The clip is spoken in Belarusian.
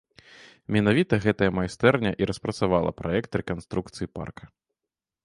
Менавіта гэтая майстэрня і распрацавала праект рэканструкцыі парка.